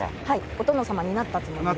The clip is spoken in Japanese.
お殿様になったつもりで。